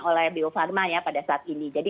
oleh bio farma ya pada saat ini jadi